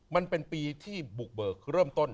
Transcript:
มันเป็นปีที่บุกเบิกเริ่มต้น